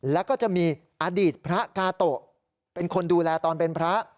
แล้วก็จะมีอดีตพระกาโตะเป็นคนดูแลตอนเป็นพระ